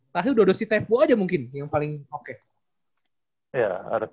tapi udah si teppo aja mungkin yang paling oke